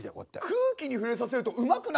「空気に触れさせるとうまくなるのよ」。